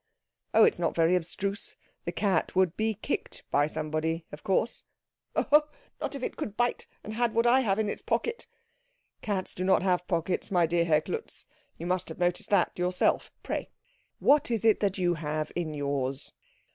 "Oh, it is not very abstruse the cat would be kicked by somebody, of course." "Oh, ho! Not if it could bite, and had what I have in its pocket." "Cats do not have pockets, my dear Herr Klutz. You must have noticed that yourself. Pray, what is it that you have in yours?"